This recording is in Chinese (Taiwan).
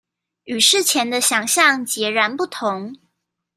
與事前的想像截然不同